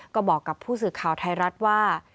ก็บอกกับผู้สื่อข่าวไทยรัฐว่า